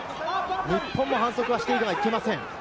日本も反則はしてはいけません。